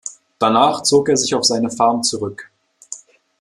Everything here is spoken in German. Danach zog er sich auf seine Farm zurück.